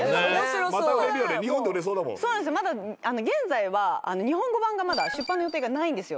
現在は日本語版がまだ出版の予定がないんですよ。